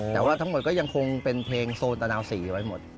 แต่ว่าทั้งหมดก็ยังคงเป็นเพลงโซนตะนาวสีไว้หมด